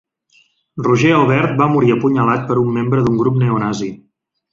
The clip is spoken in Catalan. Roger Albert va morir apunyalat per un membre d'un grup neonazi.